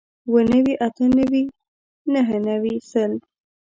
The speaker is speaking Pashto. اووه نوي اتۀ نوي نهه نوي سل